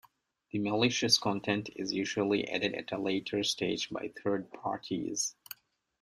The malicious content is usually added at a later stage by third parties.